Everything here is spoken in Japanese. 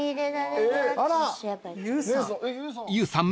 ［ＹＯＵさん